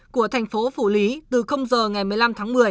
của tp phủ lý từ giờ ngày một mươi năm tháng một mươi